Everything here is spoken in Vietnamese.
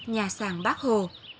nhà sàng bác hồ